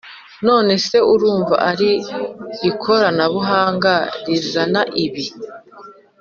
none se urumva ari ikoranabuhanga rizana ibibi’